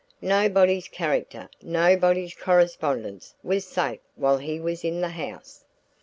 Nobody's character, nobody's correspondence, was safe while he was in the house."